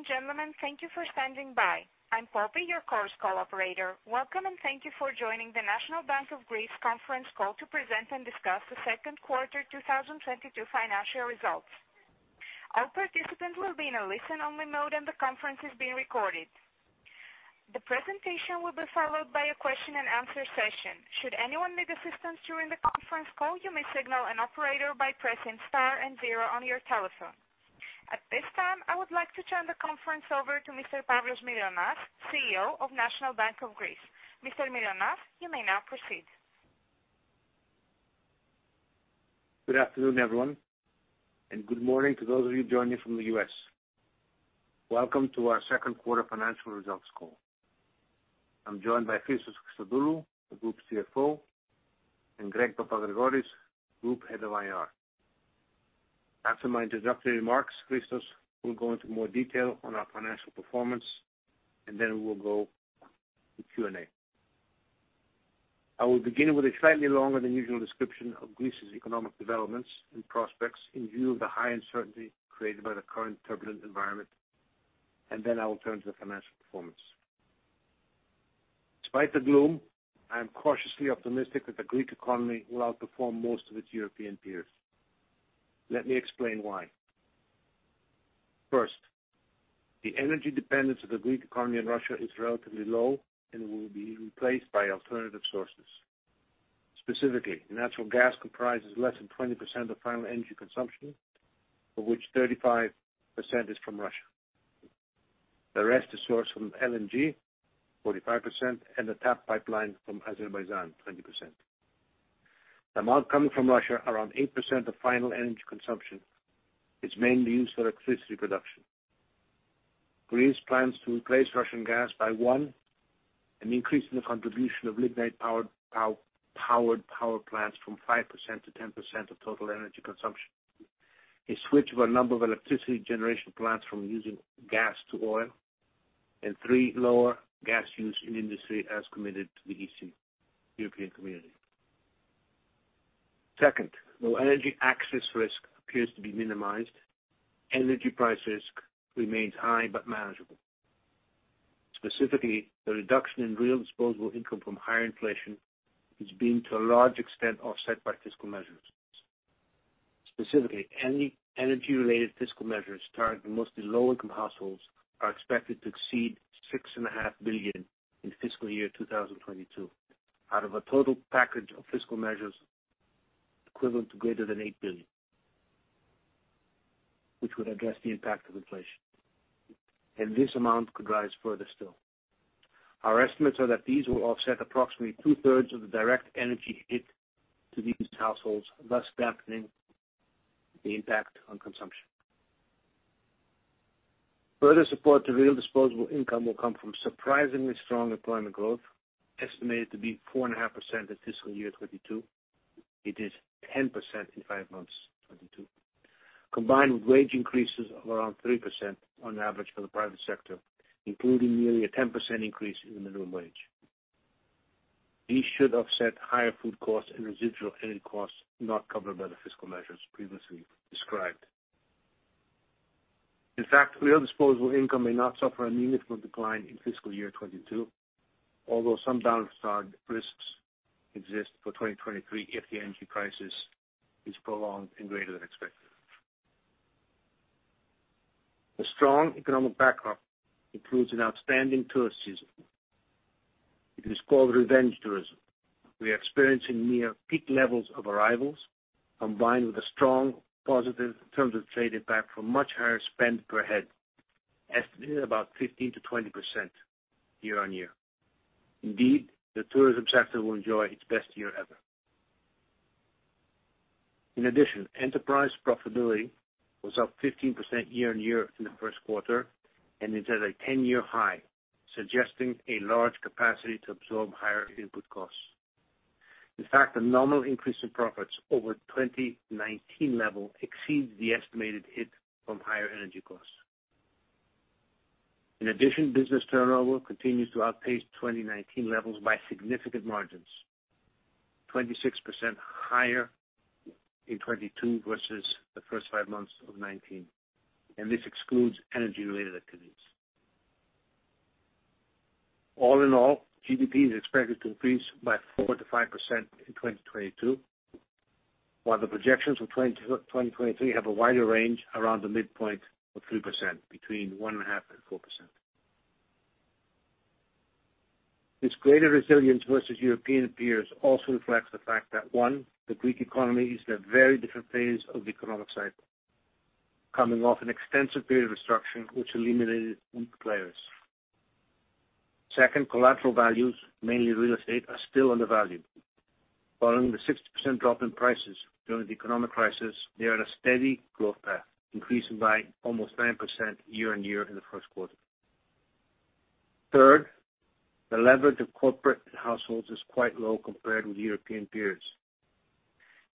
Ladies and gentlemen, thank you for standing by. I'm Poppy, your conference call operator. Welcome, and thank you for joining the National Bank of Greece conference call to present and discuss the Q2 2022 financial results. All participants will be in a listen-only mode, and the conference is being recorded. The presentation will be followed by a question-and-answer session. Should anyone need assistance during the conference call, you may signal an operator by pressing star and zero on your telephone. At this time, I would like to turn the conference over to Mr. Pavlos Mylonas, CEO of National Bank of Greece. Mr. Mylonas, you may now proceed. Good afternoon, everyone, and good morning to those of you joining from the US. Welcome to our Q2 financial results call. I'm joined by Christos Christodoulou, the Group CFO, and Grigoris Papagrigoris, Group Head of IR. After my introductory remarks, Christos will go into more detail on our financial performance, and then we will go to Q&A. I will begin with a slightly longer than usual description of Greece's economic developments and prospects in view of the high uncertainty created by the current turbulent environment, and then I will turn to the financial performance. Despite the gloom, I am cautiously optimistic that the Greek economy will outperform most of its European peers. Let me explain why. First, the energy dependence of the Greek economy in Russia is relatively low and will be replaced by alternative sources. Specifically, natural gas comprises less than 20% of final energy consumption, of which 35% is from Russia. The rest is sourced from LNG, 45%, and the TAP pipeline from Azerbaijan, 20%. The amount coming from Russia, around 8% of final energy consumption, is mainly used for electricity production. Greece plans to replace Russian gas by, one, an increase in the contribution of lignite-powered power plants from 5% to 10% of total energy consumption. A switch of a number of electricity generation plants from using gas to oil. And three, lower gas use in industry as committed to the EC, European Commission. Second, while energy access risk appears to be minimized, energy price risk remains high but manageable. Specifically, the reduction in real disposable income from higher inflation is being, to a large extent, offset by fiscal measures. Specifically, any energy-related fiscal measures targeting mostly low-income households are expected to exceed 6.5 billion in FY 2022, out of a total package of fiscal measures equivalent to greater than 8 billion, which would address the impact of inflation. This amount could rise further still. Our estimates are that these will offset approximately two-thirds of the direct energy hit to these households, thus dampening the impact on consumption. Further support to real disposable income will come from surprisingly strong employment growth, estimated to be 4.5% in FY 2022. It is 10% in five months, 2022. Combined with wage increases of around 3% on average for the private sector, including nearly a 10% increase in the minimum wage. These should offset higher food costs and residual energy costs not covered by the fiscal measures previously described. In fact, real disposable income may not suffer a meaningful decline in fiscal year 2022, although some downside risks exist for 2023 if the energy crisis is prolonged and greater than expected. The strong economic background includes an outstanding tourist season. It is called revenge tourism. We are experiencing near peak levels of arrivals, combined with a strong, positive terms of trade impact from much higher spend per head, estimated about 15%-20% year-on-year. Indeed, the tourism sector will enjoy its best year ever. In addition, enterprise profitability was up 15% year-on-year in the Q1 and is at a ten-year high, suggesting a large capacity to absorb higher input costs. In fact, the nominal increase in profits over 2019 level exceeds the estimated hit from higher energy costs. In addition, business turnover continues to outpace 2019 levels by significant margins, 26% higher in 2022 versus the first five months of 2019, and this excludes energy-related activities. All in all, GDP is expected to increase by 4%-5% in 2022, while the projections for 2023 have a wider range around the midpoint of 3%, between 1.5% and 4%. This greater resilience versus European peers also reflects the fact that, one, the Greek economy is at a very different phase of the economic cycle, coming off an extensive period of restructuring which eliminated weak players. Second, collateral values, mainly real estate, are still undervalued. Following the 60% drop in prices during the economic crisis, they are at a steady growth path, increasing by almost 9% year-on-year in the Q1. Third, the leverage of corporate households is quite low compared with European peers.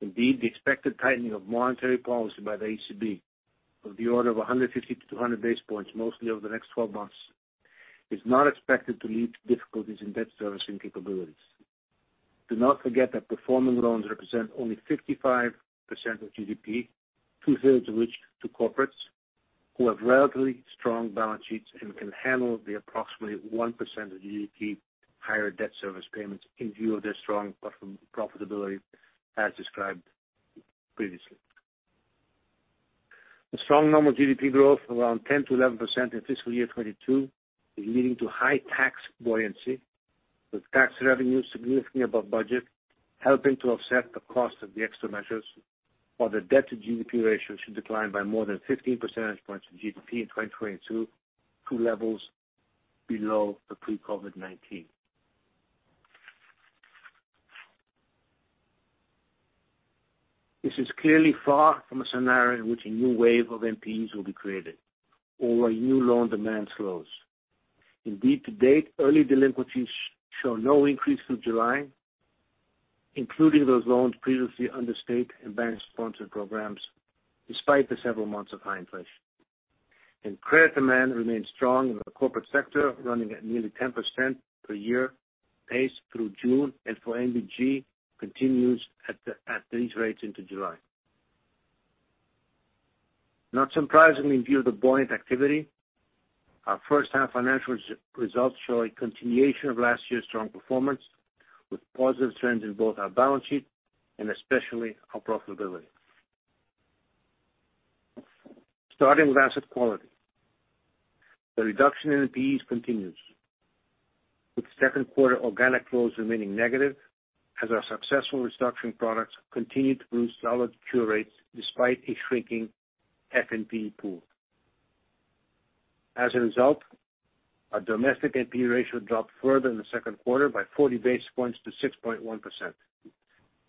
Indeed, the expected tightening of monetary policy by the ECB of the order of 150-200 basis points, mostly over the next 12 months, is not expected to lead to difficulties in debt servicing capabilities. Do not forget that performing loans represent only 55% of GDP, two-thirds of which to corporates who have relatively strong balance sheets and can handle the approximately 1% of GDP higher debt service payments in view of their strong profitability, as described previously. The strong normal GDP growth around 10%-11% in fiscal year 2022 is leading to high tax buoyancy, with tax revenues significantly above budget, helping to offset the cost of the extra measures. While the debt to GDP ratio should decline by more than 15 percentage points of GDP in 2022 to levels below the pre-COVID-19. This is clearly far from a scenario in which a new wave of NPEs will be created or new loan demand flows. Indeed, to date, early delinquencies show no increase through July, including those loans previously under state and bank-sponsored programs, despite the several months of high inflation. Credit demand remains strong in the corporate sector, running at nearly 10% per year pace through June, and for NBG continues at these rates into July. Not surprisingly, in view of the buoyant activity, our first half financial results show a continuation of last year's strong performance, with positive trends in both our balance sheet and especially our profitability. Starting with asset quality. The reduction in NPEs continues, with Q2 organic flows remaining negative as our successful restructuring products continue to produce solid cure rates despite a shrinking FNP pool. As a result, our domestic NPE ratio dropped further in the Q2 by 40 basis points to 6.1%,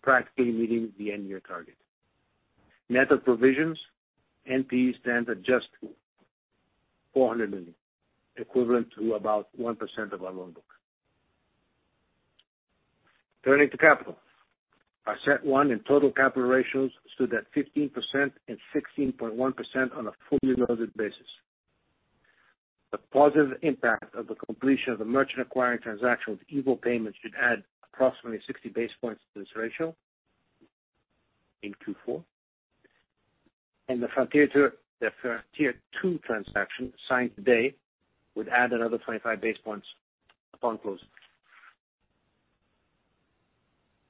practically meeting the end year target. Net of provisions, NPE stands at just 400 million, equivalent to about 1% of our loan book. Turning to capital. Our CET1 and total capital ratios stood at 15% and 16.1% on a fully loaded basis. The positive impact of the completion of the merchant acquiring transaction with EVO Payments should add approximately 60 basis points to this ratio in Q4. The Frontier II transaction signed today would add another 25 basis points upon closing.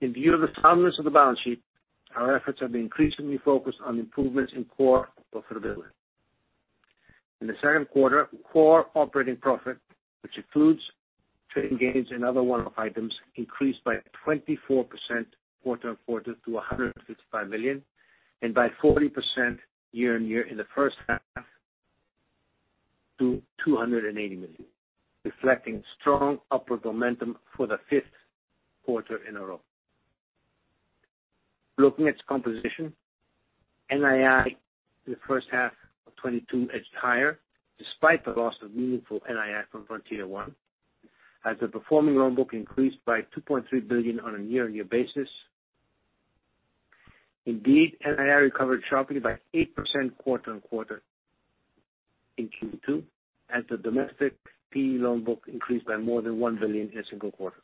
In view of the soundness of the balance sheet, our efforts have been increasingly focused on improvements in core profitability. In the Q2, core operating profit, which includes trading gains and other one-off items, increased by 24% quarter-on-quarter to 155 million, and by 40% year-on-year in the first half to 280 million, reflecting strong upward momentum for the fifth quarter in a row. Looking at composition, NII in the first half of 2022 edged higher despite the loss of meaningful NII from Frontier One, as the performing loan book increased by 2.3 billion on a year-over-year basis. Indeed, NII recovered sharply by 8% quarter-over-quarter in Q2 as the domestic PE loan book increased by more than 1 billion in a single quarter.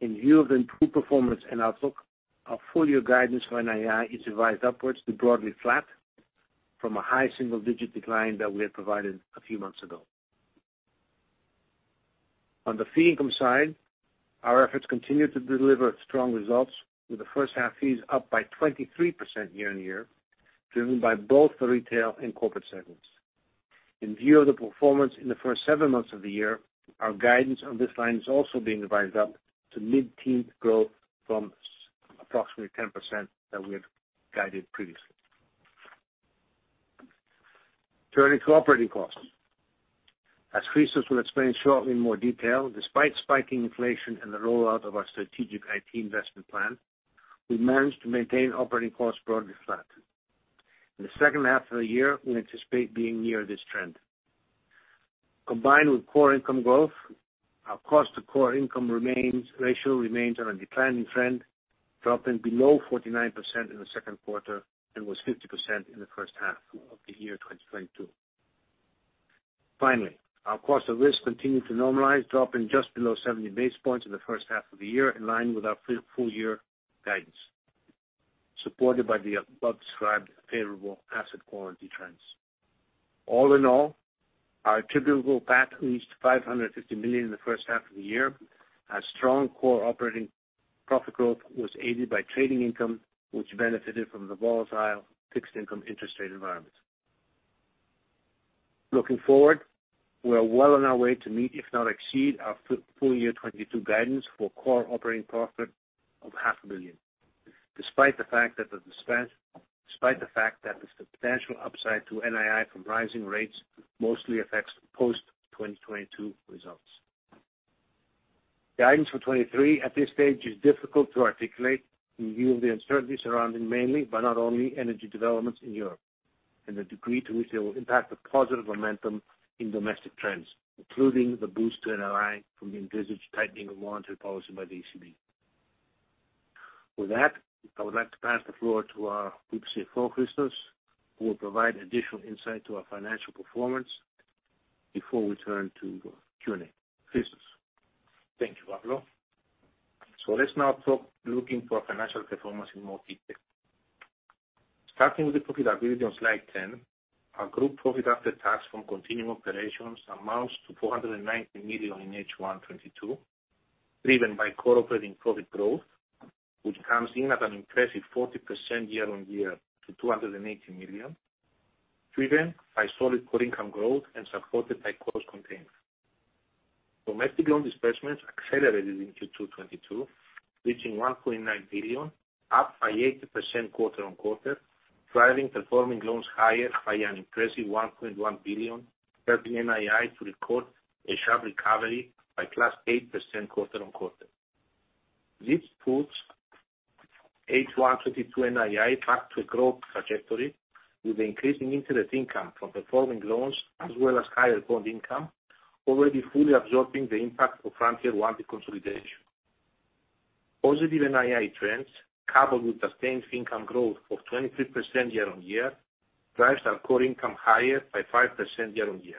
In view of the improved performance and outlook, our full year guidance for NII is revised upwards to broadly flat from a high single digit decline that we had provided a few months ago. On the fee income side, our efforts continue to deliver strong results, with the first half fees up by 23% year-over-year, driven by both the retail and corporate segments. In view of the performance in the first seven months of the year, our guidance on this line is also being revised up to mid-teen growth from approximately 10% that we had guided previously. Turning to operating costs. As Christos will explain shortly in more detail, despite spiking inflation and the rollout of our strategic IT investment plan, we managed to maintain operating costs broadly flat. In the second half of the year, we anticipate being near this trend. Combined with core income growth, our cost to core income ratio remains on a declining trend, dropping below 49% in the Q2 and was 50% in the first half of the year 2022. Finally, our cost of risk continued to normalize, dropping just below 70 basis points in the first half of the year, in line with our full year guidance, supported by the above described favorable asset quality trends. All in all, our attributable PAT reached 550 million in the first half of the year. Our strong core operating profit growth was aided by trading income, which benefited from the volatile fixed income interest rate environment. Looking forward, we are well on our way to meet, if not exceed, our full year 2022 guidance for core operating profit of EUR half a billion, despite the fact that the substantial upside to NII from rising rates mostly affects post-2022 results. Guidance for 2023 at this stage is difficult to articulate in view of the uncertainty surrounding mainly, but not only, energy developments in Europe and the degree to which they will impact the positive momentum in domestic trends, including the boost to NII from the envisaged tightening of monetary policy by the ECB. With that, I would like to pass the floor to our Group CFO, Christos, who will provide additional insight to our financial performance before we turn to Q&A. Christos? Thank you, Pavlos. Let's now talk, looking at financial performance in more detail. Starting with the profitability on slide 10, our group profit after tax from continuing operations amounts to 490 million in H1 2022, driven by core operating profit growth, which comes in at an impressive 40% year-on-year to 280 million, driven by solid core income growth and supported by cost containment. Domestic loan disbursements accelerated in Q2 2022, reaching 1.9 billion, up by 80% quarter-on-quarter, driving performing loans higher by an impressive 1.1 billion, helping NII to record a sharp recovery by +8% quarter-on-quarter. This puts H1 2022 NII back to a growth trajectory, with increasing interest income from performing loans as well as higher bond income already fully absorbing the impact of Frontier One consolidation. Positive NII trends, coupled with sustained income growth of 23% year-on-year, drives our core income higher by 5% year-on-year.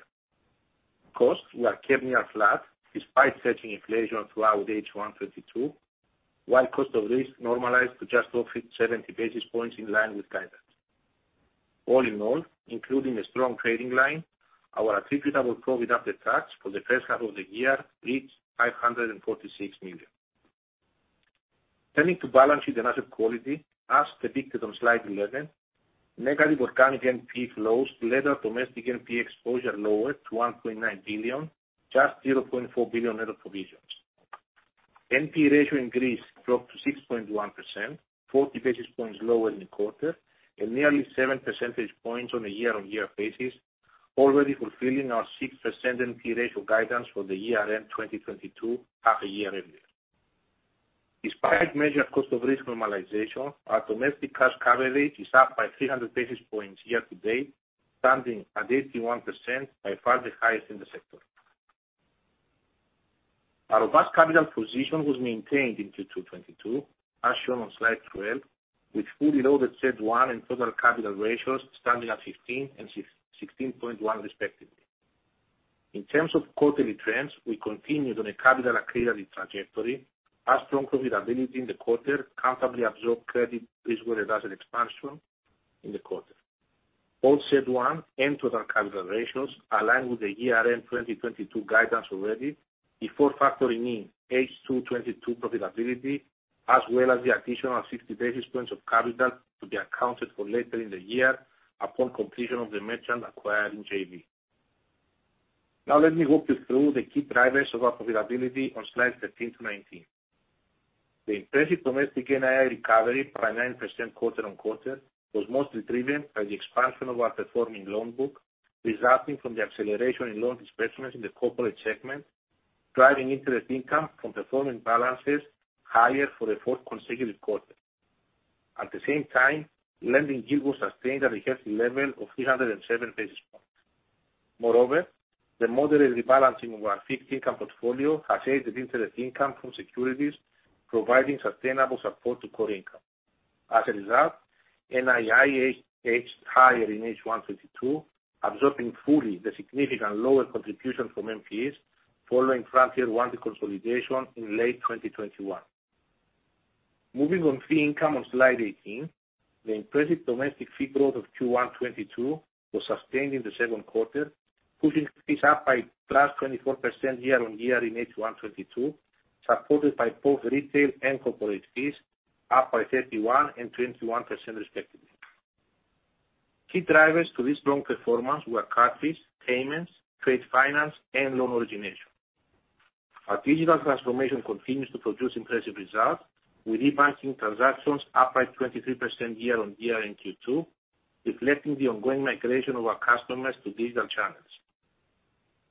Costs were kept near flat despite soaring inflation throughout H1 2022, while cost of risk normalized to just over 70 basis points in line with guidance. All in all, including a strong trading line, our attributable profit after tax for the first half of the year reached 546 million. Turning to balance sheet and asset quality, as depicted on slide 11, negative organic NPE flows led our domestic NPE exposure lower to 1.9 billion, just 0.4 billion net of provisions. NPE ratio in Greece dropped to 6.1%, 40 basis points lower in the quarter, and nearly seven percentage points on a year-on-year basis, already fulfilling our 6% NPE ratio guidance for the year-end 2022 half a year earlier. Despite measured cost of risk normalization, our domestic cash coverage is up by 300 basis points year-to-date, standing at 81%, by far the highest in the sector. Our solid capital position was maintained in Q2 2022, as shown on slide 12, with fully loaded CET1 and total capital ratios standing at 15% and 16.1% respectively. In terms of quarterly trends, we continued on a capital accretive trajectory as strong profitability in the quarter comfortably absorbed credit risk with asset expansion in the quarter. All CET1 and total capital ratios align with the year-end 2022 guidance already before factoring in H2 2022 profitability, as well as the additional 60 basis points of capital to be accounted for later in the year upon completion of the merchant acquiring JV. Now, let me walk you through the key drivers of our profitability on slides 13-19. The impressive domestic NII recovery by 9% quarter-on-quarter was mostly driven by the expansion of our performing loan book, resulting from the acceleration in loan disbursements in the corporate segment, driving interest income from performing balances higher for the fourth consecutive quarter. At the same time, lending yield was sustained at a healthy level of 307 basis points. Moreover, the moderate rebalancing of our fixed income portfolio has aided interest income from securities, providing sustainable support to core income. As a result, NII aged higher in H1 2022, absorbing fully the significant lower contribution from NPEs following Frontier One consolidation in late 2021. Moving on fee income on slide 18, the impressive domestic fee growth of Q1 2022 was sustained in the Q2, pushing fees up by +24% year-on-year in H1 2022, supported by both retail and corporate fees, up by 31% and 21% respectively. Key drivers to this strong performance were card fees, payments, trade finance, and loan origination. Our digital transformation continues to produce impressive results with e-banking transactions up by 23% year-on-year in Q2, reflecting the ongoing migration of our customers to digital channels.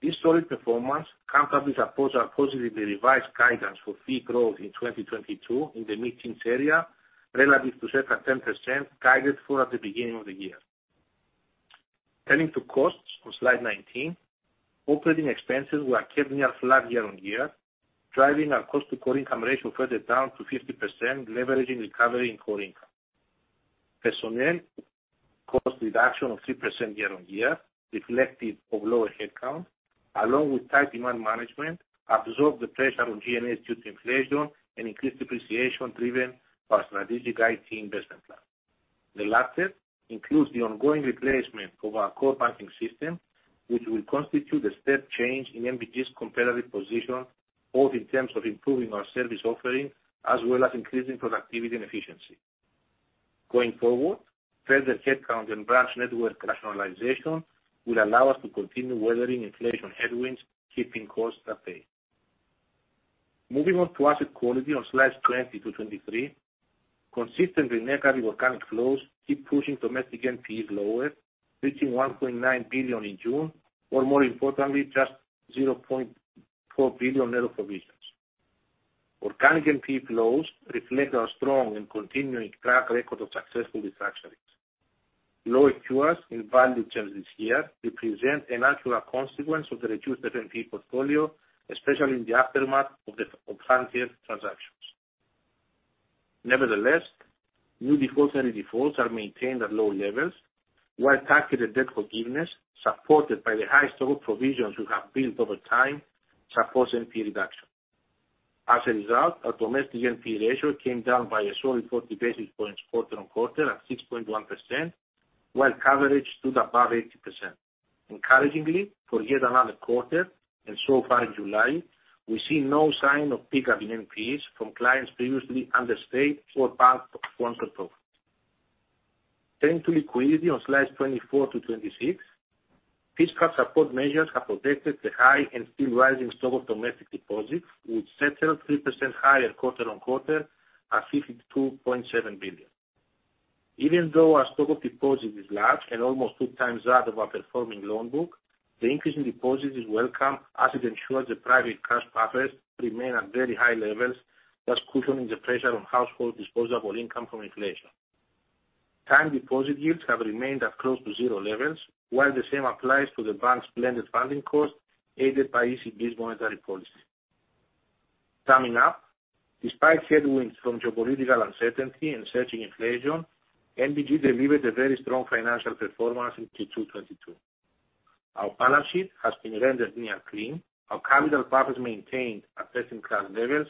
This solid performance comfortably supports our positively revised guidance for fee growth in 2022 in the mid-teens area relative to 7%-10% guided for at the beginning of the year. Turning to costs on slide 19, operating expenses were kept near flat year-on-year, driving our cost to core income ratio further down to 50%, leveraging recovery in core income. Personnel cost reduction of 3% year-on-year, reflective of lower headcount, along with tight demand management, absorbed the pressure on G&A due to inflation and increased depreciation driven by strategic IT investment plan. The latter includes the ongoing replacement of our core banking system, which will constitute a step change in NBG's competitive position, both in terms of improving our service offering as well as increasing productivity and efficiency. Going forward, further headcount and branch network rationalization will allow us to continue weathering inflation headwinds, keeping costs at bay. Moving on to asset quality on slides 20-23. Consistently negative organic flows keep pushing domestic NPEs lower, reaching 1.9 billion in June, or more importantly, just 0.4 billion euro net of provisions. Organic NPE flows reflect our strong and continuing track record of successful restructuring. Lower cures in value terms this year represent a natural consequence of the reduced NPE portfolio, especially in the aftermath of Frontier transactions. Nevertheless, new defaults and redefaults are maintained at low levels, while targeted debt forgiveness, supported by the high stock provisions we have built over time, supports NPE reduction. As a result, our domestic NPE ratio came down by a solid 40 basis points quarter-on-quarter at 6.1%, while coverage stood above 80%. Encouragingly, for yet another quarter, and so far in July, we see no sign of pickup in NPEs from clients previously under state or bank sponsored programs. Turning to liquidity on slides 24-26, fiscal support measures have protected the high and still rising stock of domestic deposits, which settled 3% higher quarter-on-quarter at 52.7 billion. Even though our stock of deposits is large and almost two times that of our performing loan book, the increase in deposits is welcome as it ensures the private cash buffers remain at very high levels, thus cushioning the pressure on household disposable income from inflation. Time deposit yields have remained at close to zero levels, while the same applies to the bank's blended funding cost, aided by ECB's monetary policy. Summing up, despite headwinds from geopolitical uncertainty and surging inflation, NBG delivered a very strong financial performance in Q2 2022. Our balance sheet has been rendered near clean. Our capital buffers maintained at best in class levels,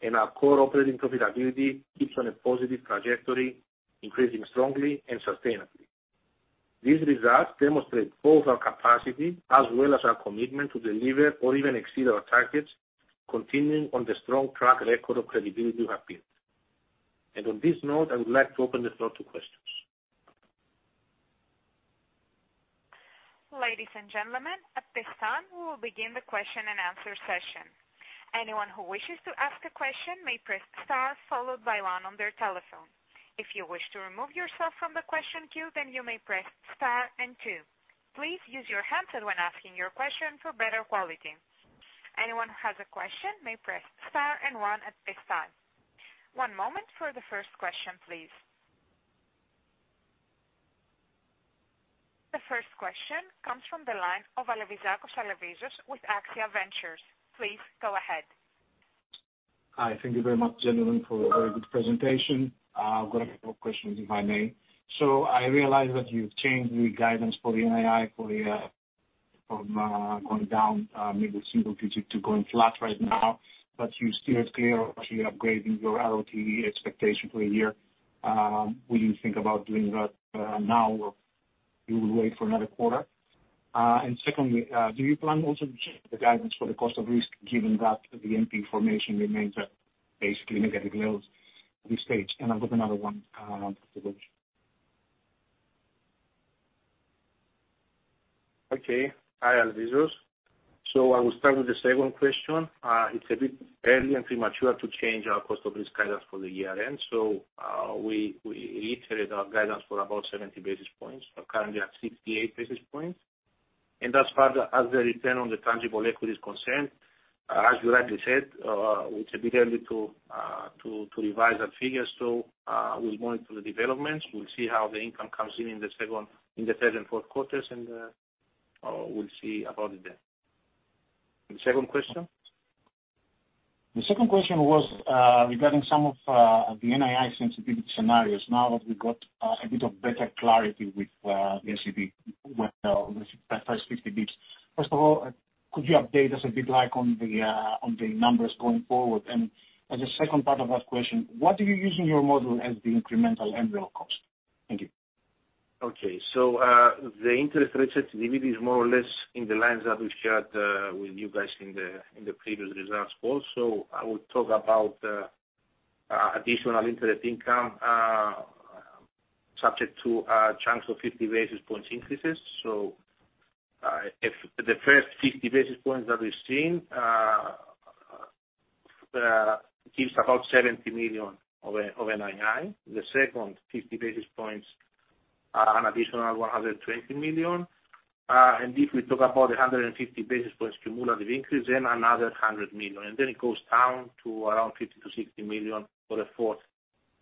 and our core operating profitability keeps on a positive trajectory, increasing strongly and sustainably. These results demonstrate both our capacity as well as our commitment to deliver or even exceed our targets, continuing on the strong track record of credibility we have built. On this note, I would like to open the floor to questions. Ladies and gentlemen, at this time, we will begin the question and answer session. Anyone who wishes to ask a question may press star followed by one on their telephone. If you wish to remove yourself from the question queue, then you may press star and two. Please use your handset when asking your question for better quality. Anyone who has a question may press star and one at this time. One moment for the first question, please. The first question comes from the line of Alevizos Alevizakos with Axia Ventures. Please go ahead. Hi. Thank you very much, gentlemen, for a very good presentation. I've got a couple of questions, if I may. I realize that you've changed the guidance for the NII from going down maybe single-digit to going flat right now, but you still clearly are actually upgrading your ROTE expectation for the year. Will you think about doing that now, or you will wait for another quarter? Secondly, do you plan also to change the guidance for the cost of risk given that the NPE formation remains at basically negative levels at this stage? I've got another one after those. Okay. Hi, Alevizos. I will start with the second question. It's a bit early and premature to change our cost of risk guidance for the year end. We reiterate our guidance for about 70 basis points. We're currently at 68 basis points. As far as the return on the tangible equity is concerned, as you rightly said, it's a bit early to revise our figures. We'll monitor the developments. We'll see how the income comes in in the third and fourth quarters, and we'll see about it then. The second question? The second question was, regarding some of the NII sensitivity scenarios now that we've got a bit of better clarity with the ECB with the first 50 basis points. First of all, could you update us a bit, like, on the numbers going forward? As a second part of that question, what are you using your model as the incremental MREL cost? Thank you. Okay. The interest rate sensitivity is more or less in the lines that we shared with you guys in the previous results call. I will talk about additional interest income subject to a chunk of 50 basis points increases. If the first 50 basis points that we've seen gives about 70 million of NII. The second 50 basis points are an additional 120 million. If we talk about the 150 basis points cumulative increase, then another 100 million. Then it goes down to around 50-60 million for the fourth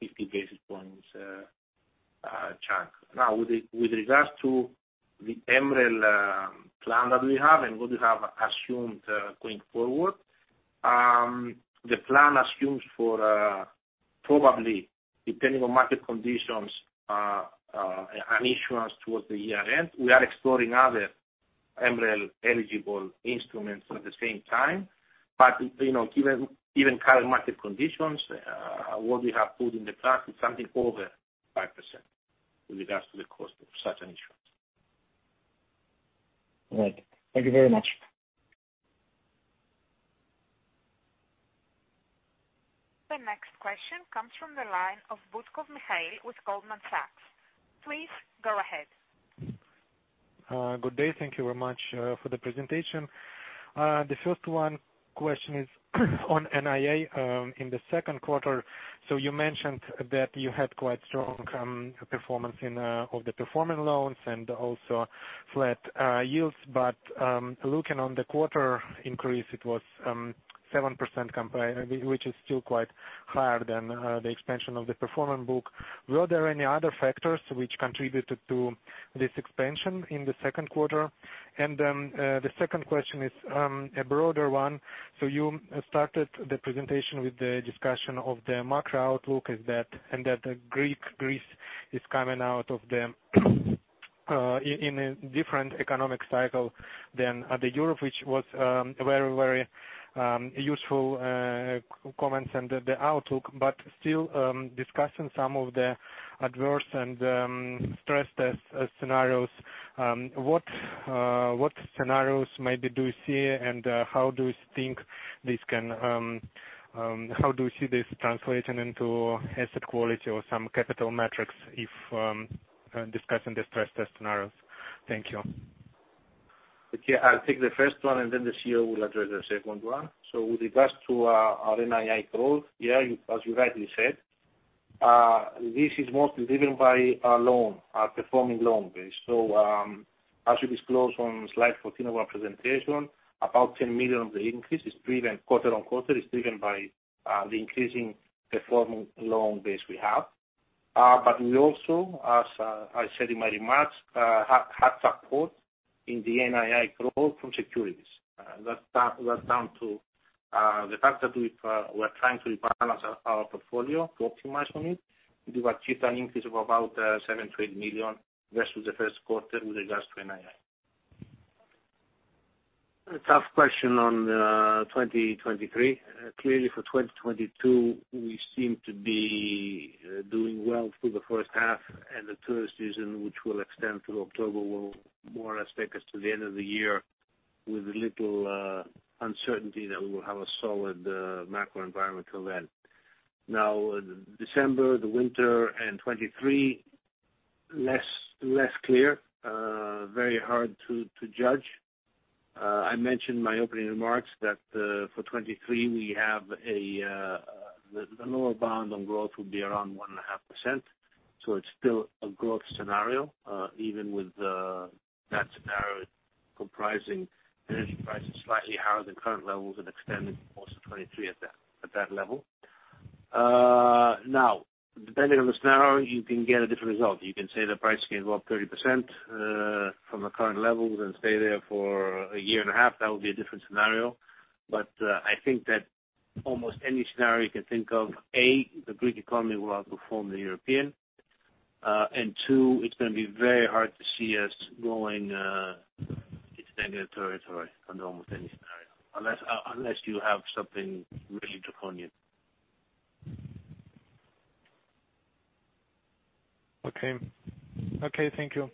50 basis points chunk. Now, with regards to the MREL plan that we have and what we have assumed going forward, the plan assumes, probably depending on market conditions, an issuance towards the year end. We are exploring other MREL eligible instruments at the same time. You know, given even current market conditions, what we have put in the price is something over 5% with regards to the cost of such an issuance. All right. Thank you very much. The next question comes from the line of Mikhail Butkov with Goldman Sachs. Please go ahead. Good day. Thank you very much for the presentation. The first question is on NII in the Q2. You mentioned that you had quite strong performance in the performing loans and also flat yields. Looking at the quarter increase, it was 7% which is still quite higher than the expansion of the performing book. Were there any other factors which contributed to this expansion in the Q2? The second question is a broader one. You started the presentation with the discussion of the macro outlook, and that Greece is coming out in a different economic cycle than Europe, which was very useful comments and the outlook, but still discussing some of the adverse and stress test scenarios. What scenarios maybe do you see and how do you see this translating into asset quality or some capital metrics if discussing the stress test scenarios? Thank you. Okay, I'll take the first one, and then the CEO will address the second one. With regards to our NII growth, yeah, as you rightly said, this is mostly driven by our performing loan base. As we disclose on slide 14 of our presentation, about 10 million of the increase is driven quarter on quarter by the increasing performing loan base we have. We also, as I said in my remarks, have had support in the NII growth from securities. That's down to the fact that we're trying to rebalance our portfolio to optimize on it. We've achieved an increase of about seventy million versus the Q1 with regards to NII. A tough question on 2023. Clearly for 2022, we seem to be doing well through the first half, and the tourist season, which will extend through October, will more or less take us to the end of the year with little uncertainty that we will have a solid macro environment till then. Now, December, the winter and 2023, less clear, very hard to judge. I mentioned in my opening remarks that for 2023 we have the lower bound on growth will be around 1.5%. It's still a growth scenario, even with that scenario comprising energy prices slightly higher than current levels and extending also 2023 at that level. Now, depending on the scenario, you can get a different result. You can say the price can go up 30%, from the current levels and stay there for a year and a half. That would be a different scenario. I think that almost any scenario you can think of, A, the Greek economy will outperform the European, and two, it's gonna be very hard to see us going to negative territory under almost any scenario, unless you have something really tough on you. Okay, thank you.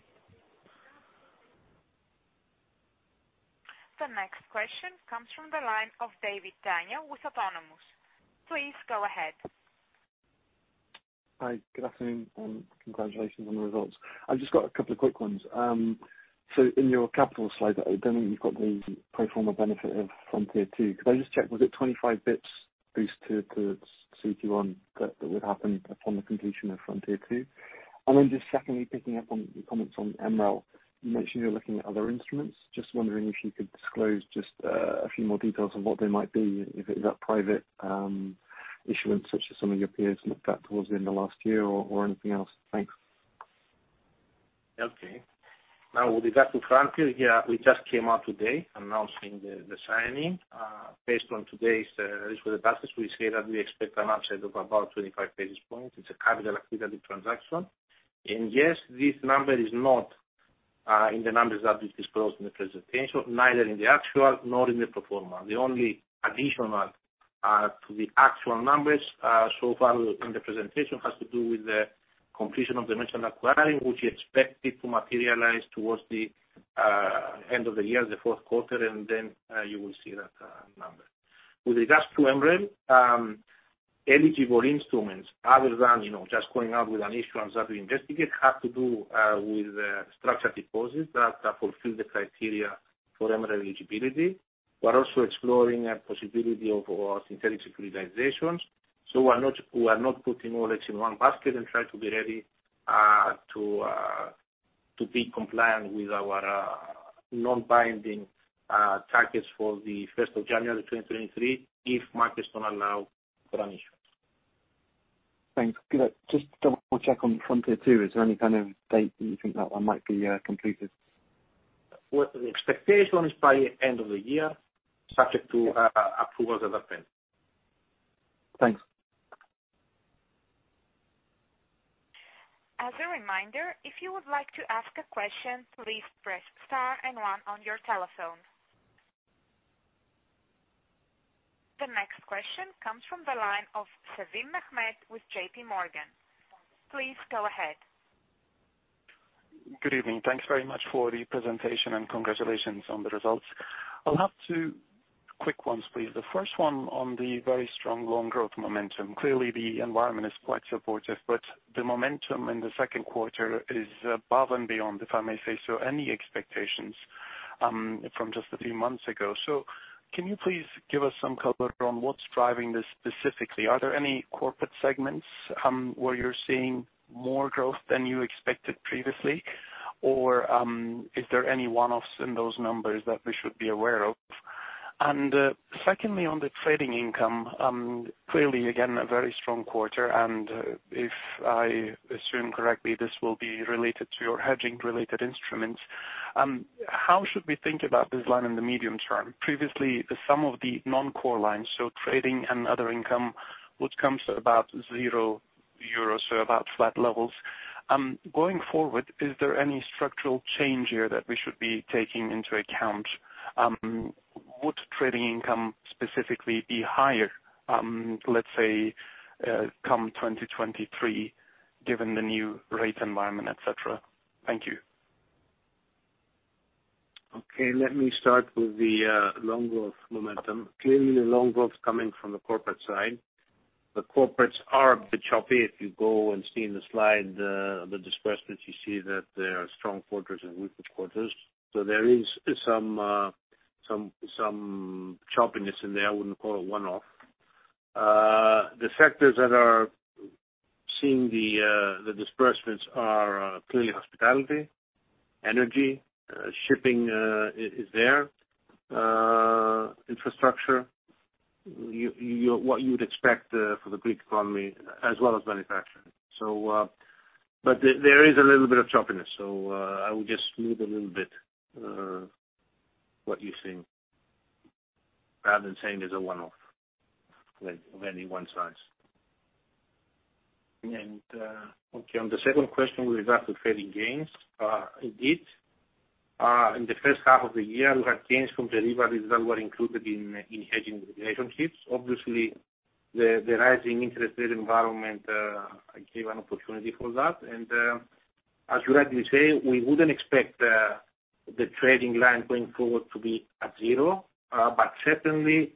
The next question comes from the line of Daniel David with Autonomous. Please go ahead. Hi, good afternoon, and congratulations on the results. I've just got a couple of quick ones. In your capital slide, I don't think you've got the pro forma benefit of Frontier II. Could I just check, was it 25 basis points boost to CET1 that would happen upon the completion of Frontier II? Then just secondly, picking up on your comments on MREL, you mentioned you're looking at other instruments. Just wondering if you could disclose just a few more details on what they might be, if it is that private issuance such as some of your peers looked at towards the end of last year or anything else. Thanks. Okay. Now with regard to Frontier, yeah, we just came out today announcing the signing. Based on today's risk-weighted assets, we say that we expect an upside of about 25 basis points. It's a capital activity transaction. Yes, this number is not in the numbers that we disclosed in the presentation, neither in the actual nor in the pro forma. The only additional to the actual numbers so far in the presentation has to do with the completion of the mentioned acquisition, which is expected to materialize towards the end of the year, the Q4, and then you will see that number. With regards to MREL, eligible instruments other than you know just going out with an issuance that we investigate have to do with structured deposits that fulfill the criteria for MREL eligibility. We're also exploring a possibility of synthetic securitizations. We are not putting all eggs in one basket and try to be ready to be compliant with our non-binding targets for the first of January 2023, if markets don't allow for an issuance. Thanks. Could I just double check on Frontier too, is there any kind of date that you think that one might be completed? Well, the expectation is by end of the year, subject to approvals of the ECB. Thanks. As a reminder, if you would like to ask a question, please press star and one on your telephone. The next question comes from the line of Mehmet Sevim with JP Morgan. Please go ahead. Good evening. Thanks very much for the presentation and congratulations on the results. Quick ones, please. The first one on the very strong loan growth momentum. Clearly, the environment is quite supportive, but the momentum in the Q2 is above and beyond, if I may say so, any expectations from just a few months ago. Can you please give us some color on what's driving this specifically? Are there any corporate segments where you're seeing more growth than you expected previously? Or, is there any one-offs in those numbers that we should be aware of? And secondly, on the trading income, clearly again, a very strong quarter, and if I assume correctly, this will be related to your hedging-related instruments. How should we think about this line in the medium term? Previously, the sum of the non-core lines, so trading and other income, which comes to about 0 euros, so about flat levels. Going forward, is there any structural change here that we should be taking into account? Would trading income specifically be higher, let's say, come 2023, given the new rate environment, et cetera? Thank you. Okay, let me start with the loan growth momentum. Clearly, the loan growth is coming from the corporate side. The corporates are a bit choppy. If you go and see in the slide, the disbursements, you see that there are strong quarters and weaker quarters. There is some choppiness in there. I wouldn't call it one-off. The sectors that are seeing the disbursements are clearly hospitality, energy, shipping, infrastructure, what you would expect for the Greek economy as well as manufacturing. There is a little bit of choppiness. I would just smooth a little bit what you're seeing rather than saying there's a one-off with only one size. Okay, on the second question with regard to trading gains, indeed, in the first half of the year, we had gains from derivatives that were included in hedging relationships. Obviously, the rising interest rate environment gave an opportunity for that. As you rightly say, we wouldn't expect the trading line going forward to be at zero. But certainly,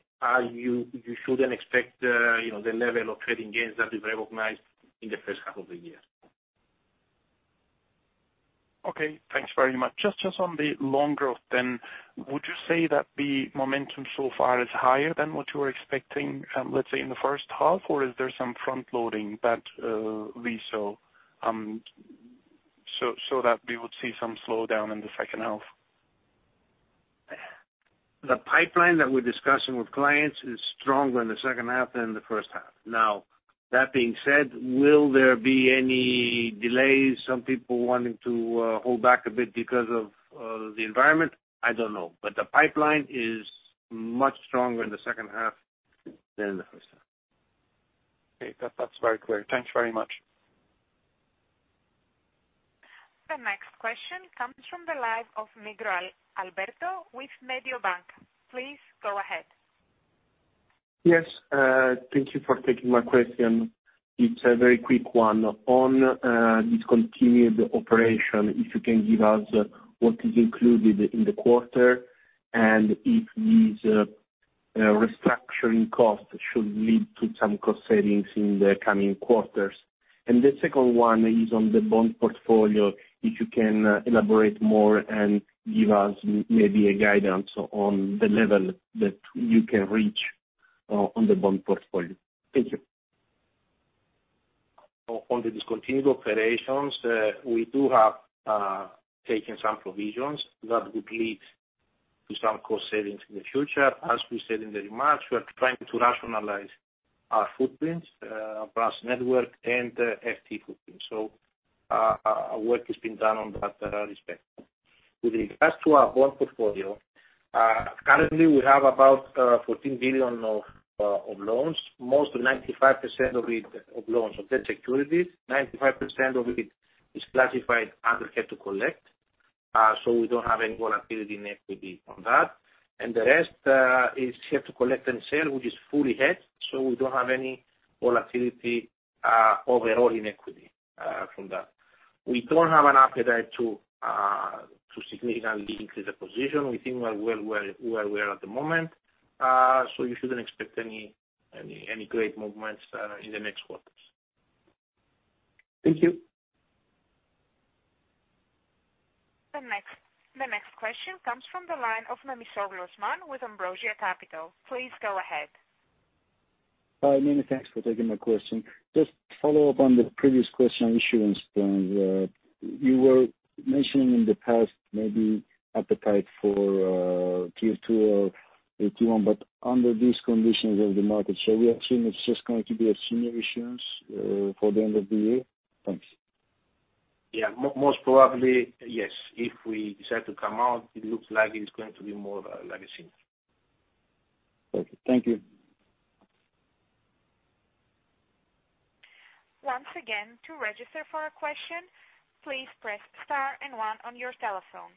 you shouldn't expect, you know, the level of trading gains that we've recognized in the first half of the year. Okay, thanks very much. Just on the loan growth then, would you say that the momentum so far is higher than what you were expecting, let's say in the first half, or is there some front-loading that we saw, so that we would see some slowdown in the second half? The pipeline that we're discussing with clients is stronger in the second half than the first half. Now that being said, will there be any delays, some people wanting to, hold back a bit because of, the environment? I don't know. The pipeline is much stronger in the second half than the first half. Okay. That, that's very clear. Thanks very much. The next question comes from the line of Alberto Nagel with Mediobanca. Please go ahead. Yes. Thank you for taking my question. It's a very quick one. On discontinued operation, if you can give us what is included in the quarter and if these restructuring costs should lead to some cost savings in the coming quarters. The second one is on the bond portfolio, if you can elaborate more and give us maybe a guidance on the level that you can reach on the bond portfolio. Thank you. On the discontinued operations, we do have taken some provisions that would lead to some cost savings in the future. As we said in the remarks, we are trying to rationalize our footprints across network and FTE footprints. Work is being done in that respect. With regards to our bond portfolio, currently we have about 14 billion of bonds. 95% of it is classified under held to collect. We don't have any volatility in equity from that. The rest is held to collect and sell, which is fully hedged, so we don't have any volatility overall in equity from that. We don't have an appetite to significantly increase the position. We think we're well where we are at the moment. You shouldn't expect any great movements in the next quarters. Thank you. The next question comes from the line of Osman Memisoglu with Ambrosia Capital. Please go ahead. Hi, many thanks for taking my question. Just to follow up on the previous question on issuance then. You were mentioning in the past maybe appetite for tier two or tier one, but under these conditions of the market, shall we assume it's just going to be a senior issuance for the end of the year? Thanks. Yeah, most probably, yes. If we decide to come out, it looks like it's going to be more of a legacy. Okay. Thank you. Once again, to register for a question, please press star and one on your telephone.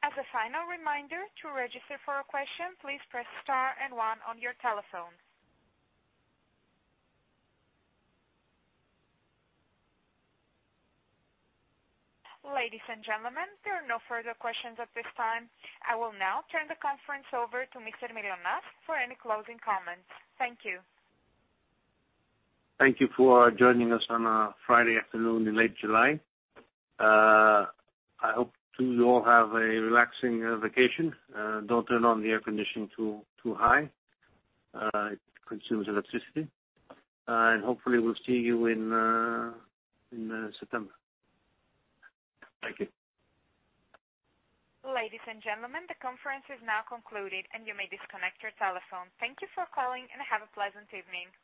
As a final reminder, to register for a question, please press star and one on your telephone. Ladies and gentlemen, there are no further questions at this time. I will now turn the conference over to Pavlos Mylonas for any closing comments. Thank you. Thank you for joining us on a Friday afternoon in late July. I hope you all have a relaxing vacation. Don't turn on the air conditioning too high. It consumes electricity. Hopefully we'll see you in September. Thank you. Ladies and gentlemen, the conference is now concluded, and you may disconnect your telephone. Thank you for calling, and have a pleasant evening.